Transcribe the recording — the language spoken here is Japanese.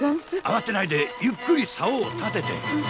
あわてないでゆっくりさおを立てて。